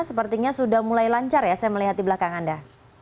sepertinya sudah mulai lancar ya saya melihat di belakang anda